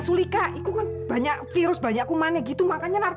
sampai jumpa di video selanjutnya